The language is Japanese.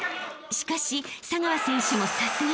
［しかし佐川選手もさすが］